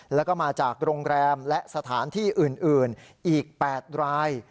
แล้วก็มาจากโรงแรมและสถานที่อื่นอีก๘ราย